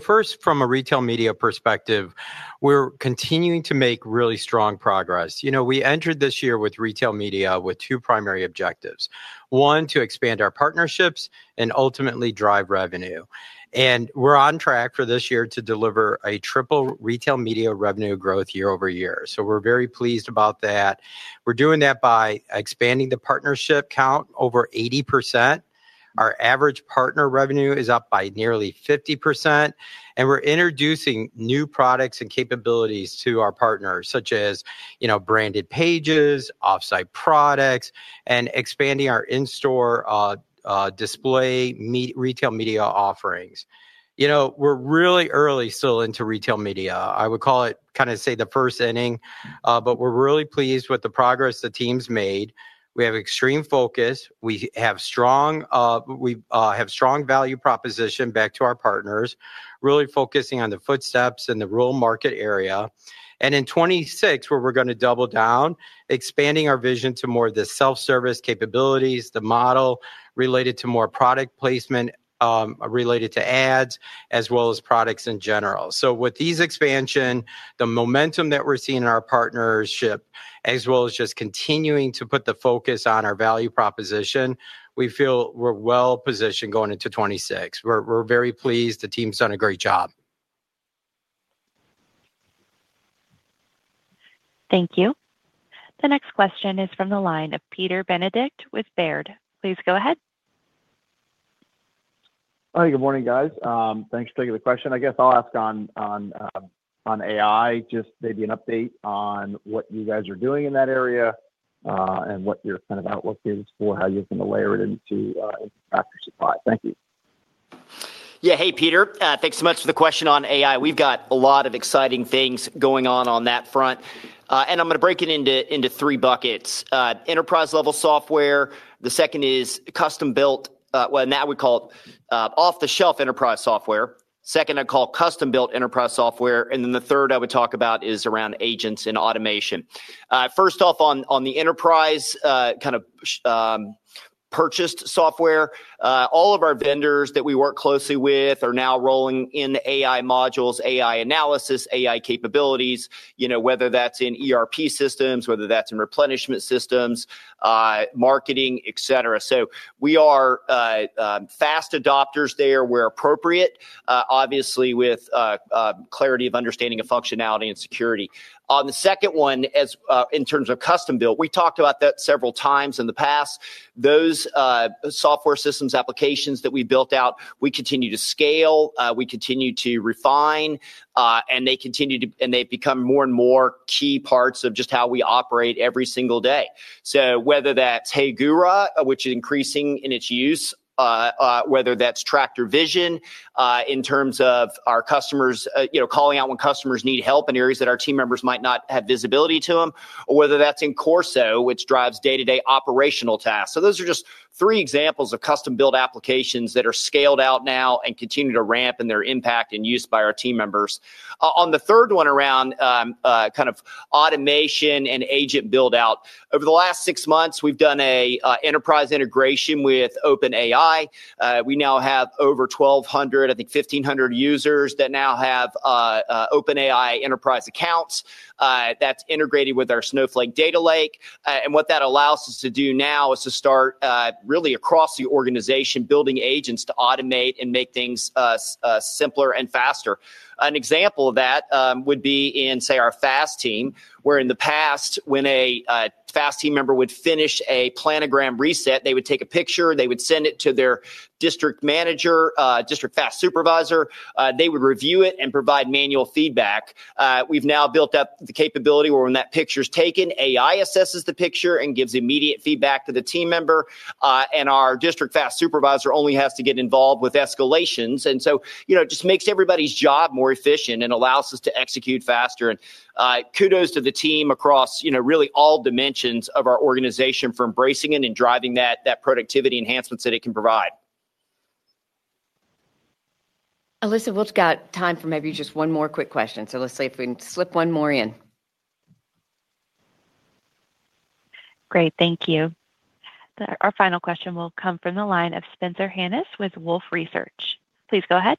First, from a retail media perspective, we're continuing to make really strong progress. We entered this year with retail media with two primary objectives: one, to expand our partnerships and ultimately drive revenue. We're on track for this year to deliver a triple retail media revenue growth year-over-year. We're very pleased about that. We're doing that by expanding the partnership count over 80%. Our average partner revenue is up by nearly 50%. We're introducing new products and capabilities to our partners, such as branded pages, offsite products, and expanding our in-store display retail media offerings. We're really early still into retail media. I would call it kind of say the first inning, but we're really pleased with the progress the team's made. We have extreme focus. We have strong value proposition back to our partners, really focusing on the footsteps in the rural market area. In 2026, we're going to double down, expanding our vision to more of the self-service capabilities, the model related to more product placement related to ads, as well as products in general. With these expansions, the momentum that we're seeing in our partnership, as well as just continuing to put the focus on our value proposition, we feel we're well positioned going into 2026. We're very pleased. The team's done a great job. Thank you. The next question is from the line of Peter Benedict with Baird. Please go ahead. Hi, good morning, guys. Thanks for taking the question. I guess I'll ask on AI, just maybe an update on what you guys are doing in that area and what your kind of outlook is for how you're going to layer it into Tractor Supply. Thank you. Yeah, hey, Peter. Thanks so much for the question on AI. We've got a lot of exciting things going on on that front. I'm going to break it into three buckets: enterprise-level software. The second is custom-built, well, now we call it off-the-shelf enterprise software. Second, I'd call custom-built enterprise software. The third I would talk about is around agents and automation. First off, on the enterprise kind of purchased software, all of our vendors that we work closely with are now rolling in AI modules, AI analysis, AI capabilities, whether that's in ERP systems, whether that's in replenishment systems, marketing, et cetera. We are fast adopters there where appropriate, obviously with clarity of understanding of functionality and security. On the second one, in terms of custom-built, we talked about that several times in the past. Those software systems applications that we built out, we continue to scale, we continue to refine, and they've become more and more key parts of just how we operate every single day. Whether that's HeyGura, which is increasing in its use, whether that's Tractor Vision in terms of our customers calling out when customers need help in areas that our team members might not have visibility to them, or whether that's in Corso, which drives day-to-day operational tasks. Those are just three examples of custom-built applications that are scaled out now and continue to ramp in their impact and use by our team members. On the third one around kind of automation and agent build-out, over the last six months, we've done an enterprise integration with OpenAI. We now have over 1,200, I think 1,500 users that now have OpenAI enterprise accounts. That's integrated with our Snowflake data lake. What that allows us to do now is to start really across the organization building agents to automate and make things simpler and faster. An example of that would be in, say, our FAST team, where in the past, when a FAST team member would finish a planogram reset, they would take a picture, they would send it to their district manager, district FAST supervisor, they would review it and provide manual feedback. We've now built up the capability where when that picture is taken, AI assesses the picture and gives immediate feedback to the team member, and our district FAST supervisor only has to get involved with escalations. It just makes everybody's job more efficient and allows us to execute faster. Kudos to the team across really all dimensions of our organization for embracing it and driving that productivity enhancement that it can provide. Elisa, we've got time for maybe just one more quick question. Let's see if we can slip one more in. Great. Thank you. Our final question will come from the line of Spencer Hanus with Wolfe Research. Please go ahead.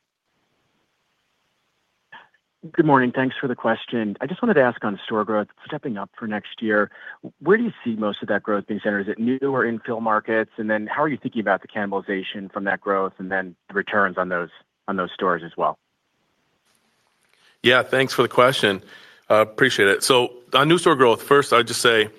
Good morning. Thanks for the question. I just wanted to ask on store growth, stepping up for next year, where do you see most of that growth being centered? Is it new or infill markets? How are you thinking about the cannibalization from that growth and the returns on those stores as well? Yeah, thanks for the question. Appreciate it. On new store growth, first I'd just say,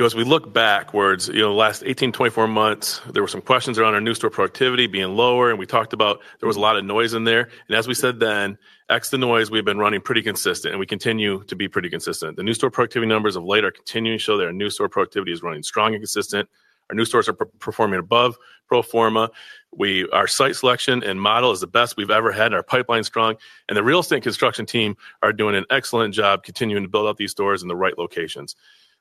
as we look backwards, the last 18, 24 months, there were some questions around our new store productivity being lower, and we talked about there was a lot of noise in there. As we said then, ex the noise, we've been running pretty consistent, and we continue to be pretty consistent. The new store productivity numbers of late are continuing to show that our new store productivity is running strong and consistent. Our new stores are performing above pro forma. Our site selection and model is the best we've ever had, and our pipeline is strong. The real estate and construction team are doing an excellent job continuing to build out these stores in the right locations.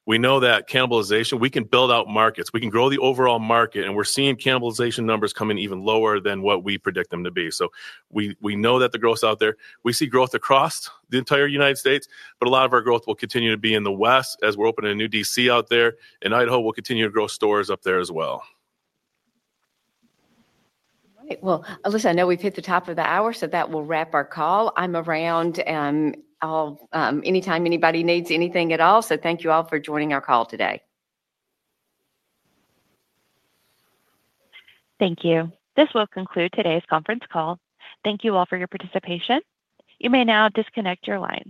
We know that cannibalization, we can build out markets, we can grow the overall market, and we're seeing cannibalization numbers coming even lower than what we predict them to be. We know that the growth's out there. We see growth across the entire United States, but a lot of our growth will continue to be in the West as we're opening a new DC out there, and Idaho will continue to grow stores up there as well. All right. Elisa, I know we've hit the top of the hour, so that will wrap our call. I'm around anytime anybody needs anything at all. Thank you all for joining our call today. Thank you. This will conclude today's conference call. Thank you all for your participation. You may now disconnect your lines.